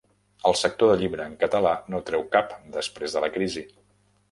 El sector del llibre en català no treu cap després de la crisi